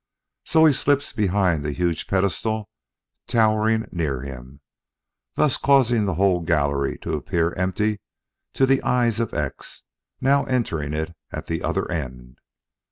So he slips behind the huge pedestal towering near him, thus causing the whole gallery to appear empty to the eyes of X, now entering it at the other end.